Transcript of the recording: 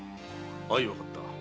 相わかった。